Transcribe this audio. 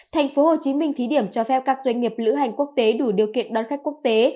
tp hcm thí điểm cho phép các doanh nghiệp lữ hành quốc tế đủ điều kiện đón khách quốc tế